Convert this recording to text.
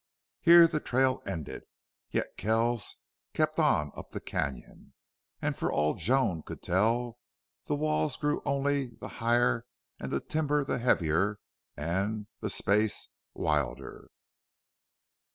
Here the trail ended. Yet Kells kept on up the canon. And for all Joan could tell the walls grew only the higher and the timber heavier and the space wilder.